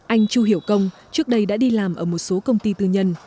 anh chu hiểu công trước đây đã đi làm ở một số công ty tư nhân